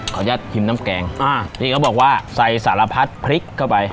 ขออนุญาตชิมน้ำแกงอ่านี่เขาบอกว่าใส่สารพัดพริกเข้าไป